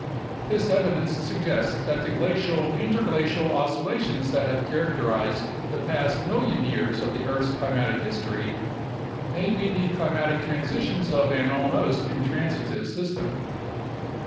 This evidence suggests that the glacial interglacial oscillations that have characterized the past million years of the earth's climatic history may be the climatic transitions of an almost intransitive system.